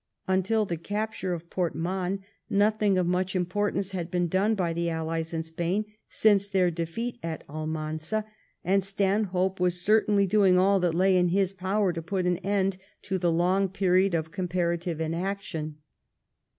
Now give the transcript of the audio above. Until the capture of Port Mahon nothing of much importance had been done by the Allies in Spain since their defeat at Almanza, and Stanhope was certainly doing all that lay in his power to put an end to the long period of comparative inaction.